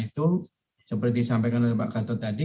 itu seperti disampaikan oleh pak gatot tadi